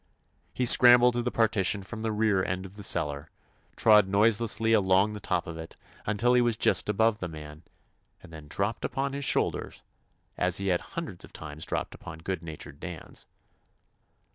He scrambled to the partition from the rear end of the cellar, trod noise lessly along the top of it until he was just above the man, and then dropped upon his shoulder as he had hundreds 178 TOMMY POSTOFFICE of times dropped upon good natured Dan's.